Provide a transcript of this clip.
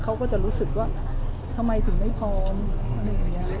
เขาก็จะรู้สึกว่าทำไมถึงไม่พร้อมอะไรอย่างนี้